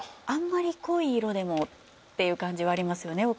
あんまり濃い色でもっていう感じはありますよね